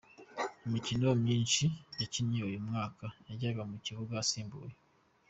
Imikino myinshi yakinnye uyu mwaka yajyaga mu kibuga asimbuye